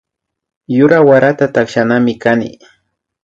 Yura warata takshanami kani